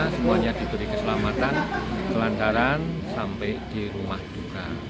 semuanya diberi keselamatan kelantaran sampai di rumah duka